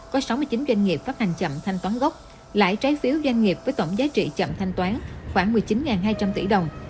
có sáu mươi chín doanh nghiệp phát hành chậm thanh toán gốc lãi trái phiếu doanh nghiệp với tổng giá trị chậm thanh toán khoảng một mươi chín hai trăm linh tỷ đồng